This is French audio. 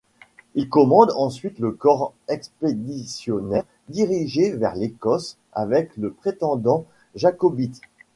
Il commande ensuite le corps expéditionnaire dirigé vers l'Écosse avec le prétendant jacobite.